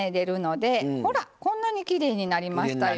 ほらこんなにきれいになりましたよ